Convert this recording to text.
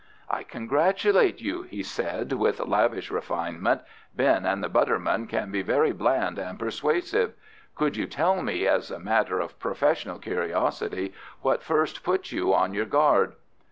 "I congratulate you," he said with lavish refinement. "Ben and the Butterman can be very bland and persuasive. Could you tell me, as a matter of professional curiosity, what first put you on your guard?"